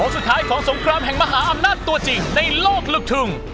สงครามแห่งมหาอำนาจตัวจริงในโลกลึกทุ่ง